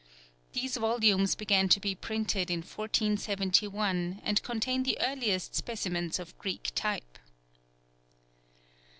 These volumes began to be printed in 1471, and contain the earliest specimens of Greek type.